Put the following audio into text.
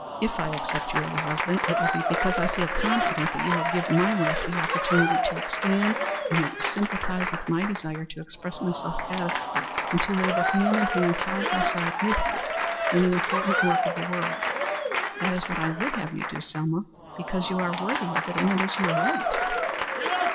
If I accept you as a husband, it will be because I feel confident that you will give my life the opportunity to expand, and that you sympathize with my desire to express myself adequately and to labor hand in hand, side by side, with you in the important work of the world." "That is what I would have you do, Selma. Because you are worthy of it, and because it is your right."